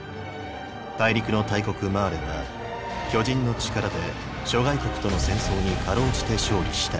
大陸の大国マーレは巨人の力で諸外国との戦争にかろうじて勝利した。